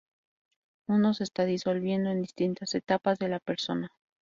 Uno se está disolviendo en distintas etapas de la persona.